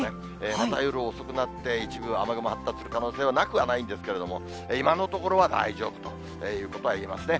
また夜遅くなって一部雨雲発達する可能性なくはないんですけれども、今のところは大丈夫ということは言えますね。